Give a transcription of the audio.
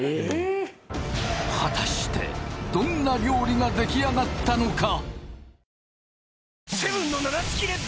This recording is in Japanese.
果たしてどんな料理が出来上がったのか？